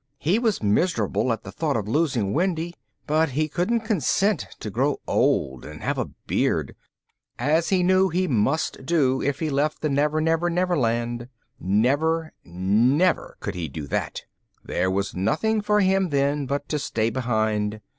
He was miserable at the thought of losing Wendy, but he couldn't consent to grow old and have a beard, as he knew he must do if he left the Never Never Never Land. Never, never, could he do that! There was nothing for him, then, but to stay behind.